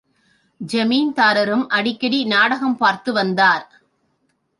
ஜமீன்தாரும் அடிக்கடி நாடகம் பார்த்து வந்தார்.